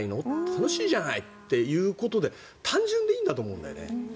楽しいじゃないということで単純でいいんだと思うんだよね。